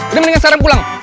udah mendingan sekarang pulang